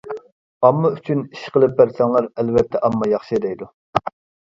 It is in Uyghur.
ئامما ئۈچۈن ئىش قىلىپ بەرسەڭلار ئەلۋەتتە ئامما ياخشى دەيدۇ.